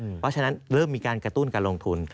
เพราะฉะนั้นเริ่มมีการกระตุ้นการลงทุน